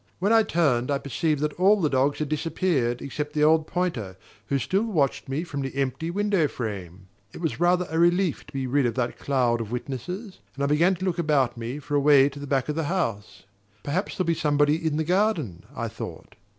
When I turned I perceived that all the dogs had disappeared except the old pointer, who still watched me from the empty window frame. It was rather a relief to be rid of that cloud of witnesses; and I began to look about me for a way to the back of the house. "Perhaps there'll be somebody in the garden," I thought.